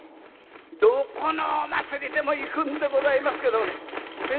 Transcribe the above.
どこのお祭りでも行くんでございますけどもねえ